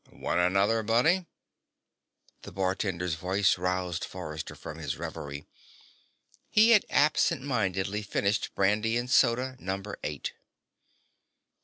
"Want another, buddy?" The bartender's voice roused Forrester from his reverie. He had absent mindedly finished brandy and soda number eight.